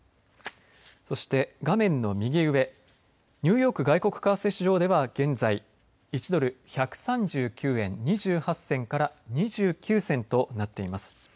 そして画面の右上ニューヨーク外国為替市場では現在、１ドル１３９円２８銭から２９銭となっています。